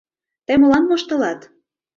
Тый молан воштылат?